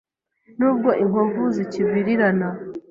Nubwo inkovu zikivirirana